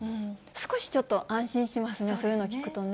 少しちょっと安心しますね、そういうの聞くとね。